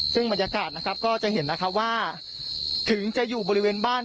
ซึ่งบรรยากาศนะครับก็จะเห็นนะครับว่าถึงจะอยู่บริเวณบ้าน